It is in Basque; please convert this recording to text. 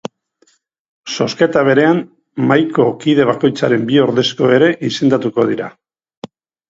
Zozketa berean, mahaiko kide bakoitzaren bi ordezko ere izendatuko dira.